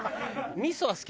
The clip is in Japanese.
味噌好き。